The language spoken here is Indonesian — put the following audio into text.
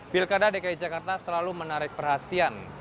pilkada dki jakarta selalu menarik perhatian